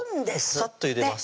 サッとゆでます